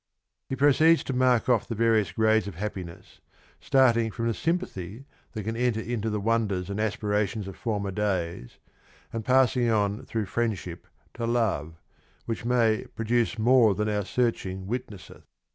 (I. 777) He proceeds to mark off the various grades of happiness, starting from the sympathy that can enter into the wonders and aspirations of former days, and passing on through friendship to love, which may " produce more than our searching witnesseth " (834).